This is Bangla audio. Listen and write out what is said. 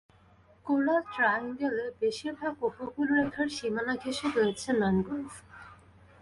কোরাল ট্রায়াঙ্গলে, বেশিরভাগ উপকূলরেখার সীমানা ঘেঁষে রয়েছে ম্যানগ্রোভ।